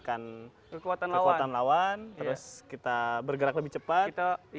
cingkrik ini berasal dari bahasa betawi